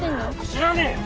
知らねえよ